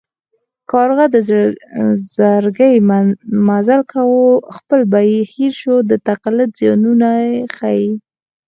کارغه د زرکې مزل کاوه خپل یې هېر شو د تقلید زیانونه ښيي